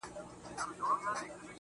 مخ ځيني اړومه.